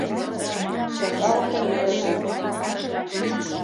Чоҥга воктен мӧрыжӧ